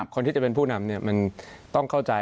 คนที่จะเป็นผู้นำมันต้องเข้าใจ